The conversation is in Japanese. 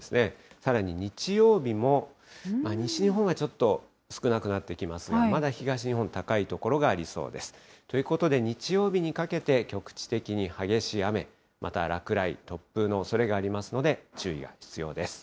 さらに日曜日も、西日本はちょっと少なくなってきますが、まだ東日本、高い所がありそうです。ということで、日曜日にかけて、局地的に激しい雨、また落雷、突風のおそれがありますので、注意が必要です。